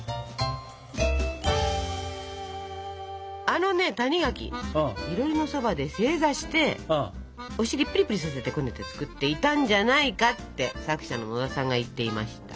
あのね谷垣「囲炉裏のそばで正座してお尻ぷりぷりさせてこねて作っていたんじゃないか」って作者の野田さんが言っていました。